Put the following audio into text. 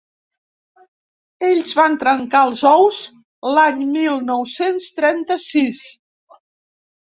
Ells van trencar els ous l'any mil nou-cents trenta-sis.